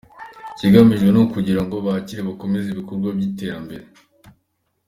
Ikigamijwe ni ukugira ngo bakire bakomeze ibikorwa by’iterambere.